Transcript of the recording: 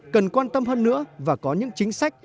cần quan tâm hơn nữa và có những chính sách